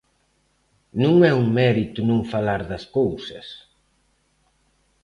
Non é un mérito non falar das cousas.